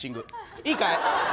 いいかい？